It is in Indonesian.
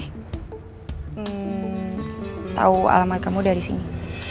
hmm tahu alamat kamu dari sini